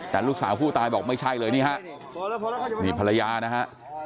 แต่ลูกสาวผู้ตายบอกไม่ใช่เลยนี่ฮะนี่ภรรยานะฮะ